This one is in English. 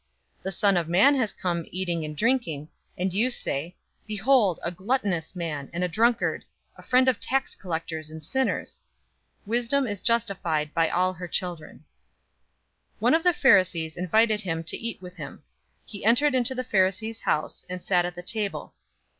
007:034 The Son of Man has come eating and drinking, and you say, 'Behold, a gluttonous man, and a drunkard; a friend of tax collectors and sinners!' 007:035 Wisdom is justified by all her children." 007:036 One of the Pharisees invited him to eat with him. He entered into the Pharisee's house, and sat at the table.